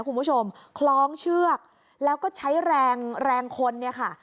คุณผู้ชมคล้องเชือกแล้วก็ใช้แรงแรงคนเนี่ยค่ะ